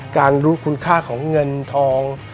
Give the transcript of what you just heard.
รู้คุณค่าของเงินทอง